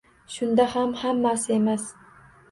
Shunda ham hammasi emas